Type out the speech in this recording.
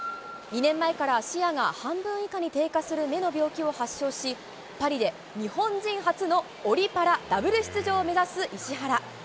２年前から視野が半分以下に低下する目の病気を発症し、パリで日本人初のオリパラダブル出場を目指す石原。